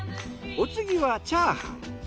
お次はチャーハン。